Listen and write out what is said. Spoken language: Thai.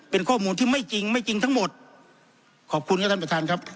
เป็นข้อมูลที่ไม่จริงไม่จริงทั้งหมดขอบคุณครับท่านประธานครับ